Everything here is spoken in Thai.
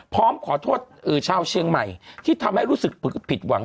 พร้อมขอโทษชาวเชียงใหม่ที่ทำให้รู้สึกผิดหวัง